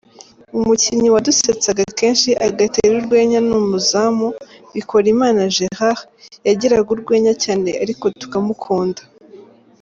Umukinnyi wadusetsaga kenshi, agatera urwenya ni umuzamu Bikorimana Gerald, yagiraga urwenya cyane ariko tukamukunda.